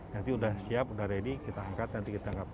nanti sudah siap udah ready kita angkat nanti kita angkat